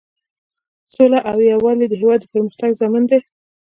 سوله او یووالی د هیواد د پرمختګ ضامن دی.